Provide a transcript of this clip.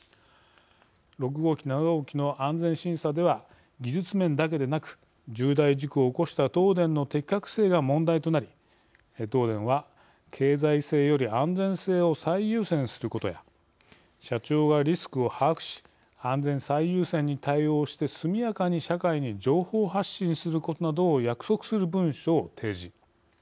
６号機、７号機の安全審査では技術面だけでなく重大事故を起こした東電の適格性が問題となり東電は、経済性より安全性を最優先することや社長がリスクを把握し安全最優先に対応して速やかに社会に情報発信することなどを約束する文書を提示。